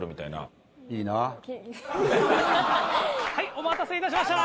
お待たせ致しました。